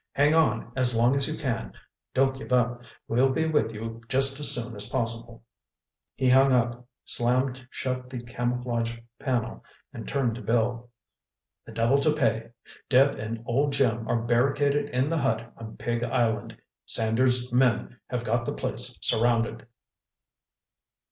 Hang on as long as you can—don't give up—we'll be with you just as soon as possible!" He hung up, slammed shut the camouflaged panel and turned to Bill. "The devil to pay! Deb and old Jim are barricaded in the hut on Pig Island. Sanders' men have got the place surrounded!"